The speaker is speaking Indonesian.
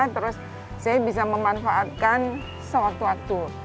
terus saya bisa memanfaatkan sewaktu waktu